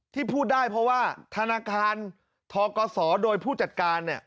ที่พูดได้เพราะว่าธนาคารทกศโดยผู้จัดการเนี่ย